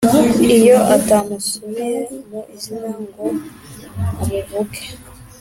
Iyo atamusubiye mu izina ngo amuvuge